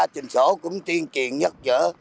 trình sổ cũng tuyên truyền nhất nhở